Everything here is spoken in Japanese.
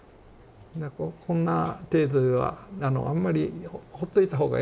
こんな程度ではあんまりほっといた方がええ」と。